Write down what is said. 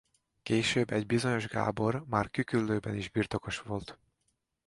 Később egy bizonyos Gábor már Küküllőben is birtokos volt.